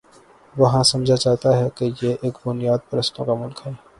وہاں سمجھا جاتا ہے کہ یہ ایک بنیاد پرستوں کا ملک ہے۔